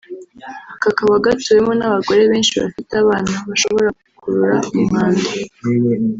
kakaba gatuwemo n’abagore benshi bafite abana (bashobora gukurura umwanda)